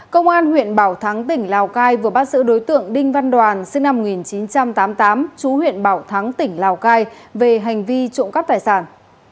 công an huyện bảo thắng tỉnh lào cai vừa bắt giữ đối tượng đinh văn đoàn sinh năm một nghìn chín trăm tám mươi tám chú huyện bảo thắng tỉnh lào cai về hành vi trộm cắp tài sản